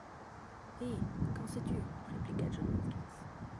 Eh! qu’en sais-tu? répliqua John Watkins.